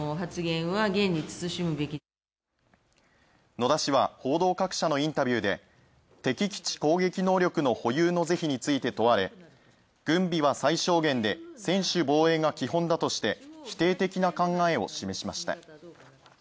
野田氏は、報道各社のインタビューで敵基地攻撃能力の保有の是非について問われ「軍備は最小限で、専守防衛が基本だ」として否定的な考えを示しました。